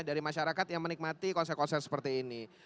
dari masyarakat yang menikmati konsep konsep seperti ini